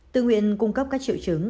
tư nguyện cung cấp các triệu chứng